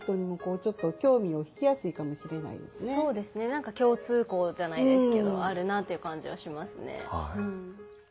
何か共通項じゃないですけどあるなという感じはしますね。